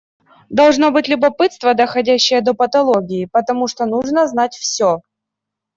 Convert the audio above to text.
Должно быть любопытство, доходящее до патологии, потому что нужно знать все.